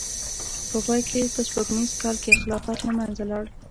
په پای کې په سپوږمیز کال کې خلافت له منځه لاړ.